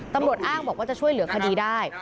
ตำรวจอ้างบอกว่าจะช่วยเหลือคดีได้